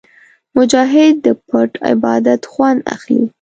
مجاهد د پټ عبادت خوند اخلي.